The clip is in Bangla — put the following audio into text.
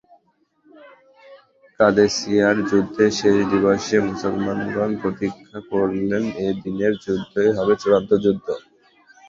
কাদেসিয়ার যুদ্ধের শেষ দিবসে মুসলমানগণ প্রতিজ্ঞা করলেন, এ দিনের যুদ্ধই হবে চূড়ান্ত যুদ্ধ।